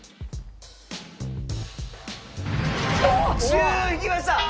１０いきました！